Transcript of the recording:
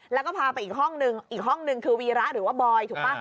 แล้วก็พาไปอีกห้องนึงอีกห้องนึงคือวีระหรือว่าบอยถูกป่ะ